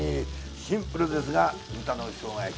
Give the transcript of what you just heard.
シンプルですが豚の生姜焼き。